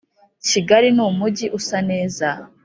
kigali ni umujyi usaneza